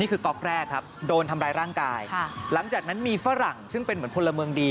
ก๊อกแรกครับโดนทำร้ายร่างกายหลังจากนั้นมีฝรั่งซึ่งเป็นเหมือนพลเมืองดี